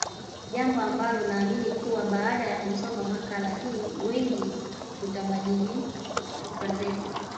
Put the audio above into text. Jambo ambalo naamini kuwa baada ya kusoma makala hii wengi tutabadili fikra zetu